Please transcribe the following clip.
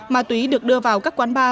ma túy được đưa vào các quán bar